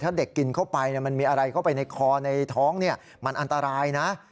ถ้าเด็กกินเข้าไปมันมีอะไรเข้าไปในคอในท้องมันอันตรายนะ